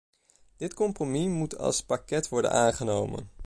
Dit compromis moet als pakket worden aangenomen.